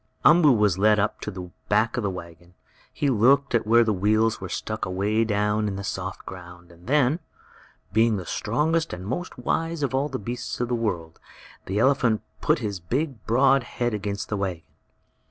Umboo was led up to the back of the wagon. He looked at where the wheels were sunk away down in the soft ground, and then, being the strongest and most wise of all the beasts of the world, the elephant put his big, broad head against the wagon.